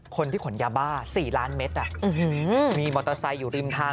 คนที่ขนยาบ้า๔ล้านเมตรมีมอเตอร์ไซค์อยู่ริมทาง